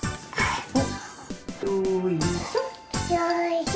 よいしょ。